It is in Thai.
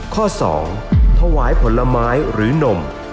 ข้อ๒ถวายผลไม้หรือนม